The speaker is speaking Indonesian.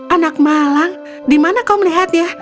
anak malang di mana kau melihatnya